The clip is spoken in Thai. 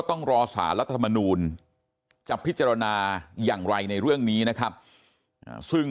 ต้องรอสารรัฐธรรมนูลจะพิจารณาอย่างไรในเรื่องนี้นะครับซึ่ง